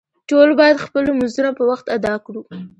ټول باید خپل لمونځونه په وخت ادا کړو